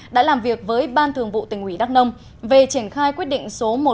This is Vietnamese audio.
đã làm việc với ban thường vụ tình ủy đắc nông về triển khai quyết định số một nghìn một trăm năm mươi hai